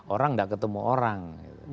orang tidak ketemu orang